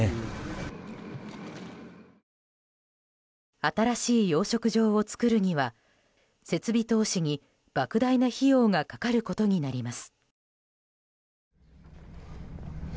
新しい養殖場を作るには設備投資に莫大な費用がかかることになります。